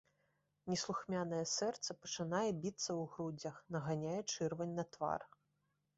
Неслухмянае сэрца пачынае біцца ў грудзях, наганяе чырвань на твар.